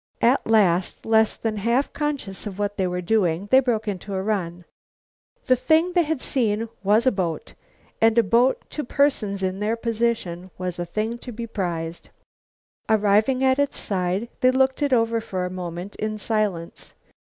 At last, less than half conscious of what they were doing, they broke into a run. The thing they had seen was a boat. And a boat to persons in their position was a thing to be prized. Arrived at its side, they looked it over for a moment in silence.